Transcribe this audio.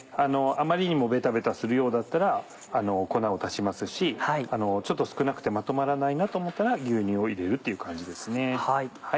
あまりにもベタベタするようだったら粉を足しますしちょっと少なくてまとまらないなと思ったら牛乳を入れるっていう感じですね。